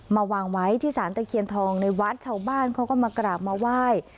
มาวางไว้ที่สารตะเคียนทองในวัดชาวบ้านเขาก็มากราบมาไหว้